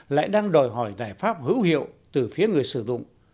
lại đang đòi hỏi giải pháp hữu hiệu từ phía người sử dụng